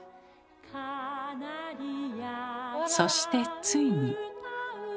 そしてついに。